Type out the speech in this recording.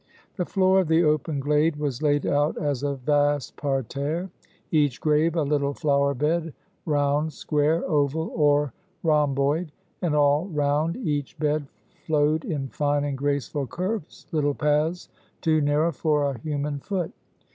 The floor of the open glade was laid out as a vast parterre each grave a little flower bed, round, square, oval, or rhomboid; and all round each bed flowed in fine and graceful curves little paths too narrow for a human foot.